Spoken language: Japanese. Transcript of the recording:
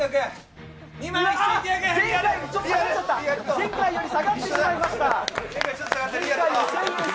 前回より下がってしまいました。